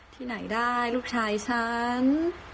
ที่ไหนได้ลูกชายฉัน